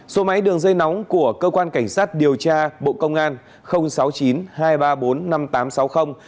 số máy đường dây nóng của cơ quan cảnh sát điều tra bộ công an sáu mươi chín hai trăm ba mươi bốn năm nghìn tám trăm sáu mươi